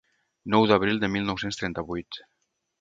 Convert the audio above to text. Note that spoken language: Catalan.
Nou d'abril de mil nou-cents trenta-vuit.